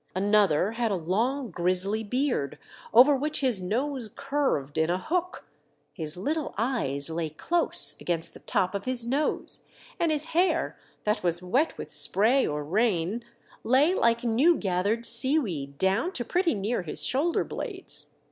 Another had a long, grizzly beard, over which his nose curved in a hook, his little eyes lay close against the top of his nose, and his hair, that was wet with spray or rain, lay like new gathered seaweed 1 82 THE DEATH SHIP. down to pretty near his shoulder blades.